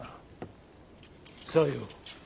さよう。